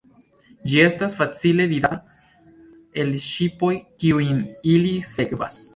Ĝi estas facile vidata el ŝipoj, kiujn ili sekvas.